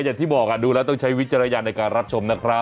อย่างที่บอกดูแล้วต้องใช้วิจารณญาณในการรับชมนะครับ